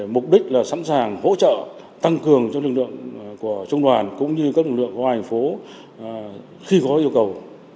mục đích là sẵn sàng hỗ trợ tăng cường cho lực lượng của trung đoàn cũng như các lực lượng hoa hành phố khi có yêu cầu